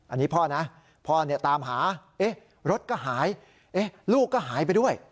อันนี้พ่อนะพ่อตามหารถก็หายลูกก็หายไปด้วย